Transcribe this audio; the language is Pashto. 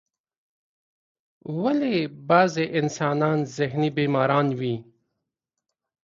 ولی بازی انسانان ذهنی بیماران وی ؟